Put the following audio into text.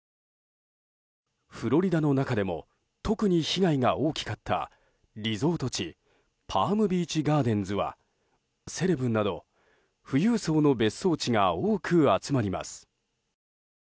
フロリダの中でも特に被害が大きかったリゾート地パームビーチガーデンズはセレブなど富裕層の別荘地が多く集まります。